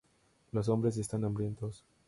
Los hombres están hambrientos.